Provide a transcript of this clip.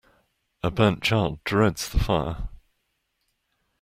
A burnt child dreads the fire.